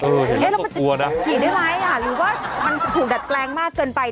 เออเห็นแล้วก็กลัวนะหรือว่ามันถูกดัดแกล้งมากเกินไป